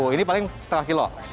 ini paling setengah kilo